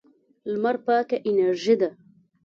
لمر پاکه انرژي ده.